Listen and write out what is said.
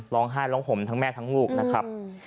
ร้องไห้ร้องห่มทั้งแม่ทั้งลูกนะครับ